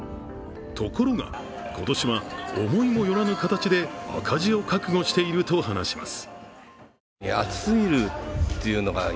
ところが、今年は思いもよらぬ形で赤字を覚悟していると話します。